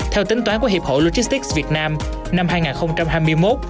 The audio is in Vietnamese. theo tính toán của hiệp hội logistics việt nam năm hai nghìn hai mươi một